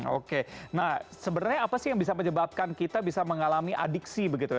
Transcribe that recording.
oke nah sebenarnya apa sih yang bisa menyebabkan kita bisa mengalami adiksi begitu ya